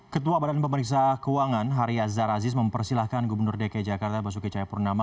ketua badan pemeriksa keuangan haria zarazis mempersilahkan gubernur dki jakarta basuki cahayapurnama